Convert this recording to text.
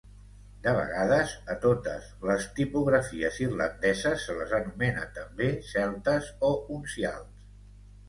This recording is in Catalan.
De vegades, a totes les tipografies irlandeses se les anomena també celtes o uncials.